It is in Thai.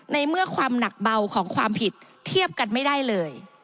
ในเมื่อความหนักเบาของความผิดเทียบกันไม่ได้เลย